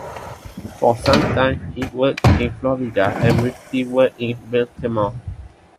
For some time he worked in Florida and briefly worked in Baltimore.